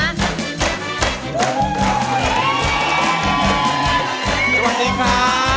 สวัสดีค่ะ